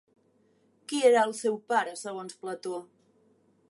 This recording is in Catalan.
Qui era el seu pare segons Plató?